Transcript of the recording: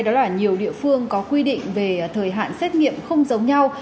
đó là nhiều địa phương có quy định về thời hạn xét nghiệm không giống nhau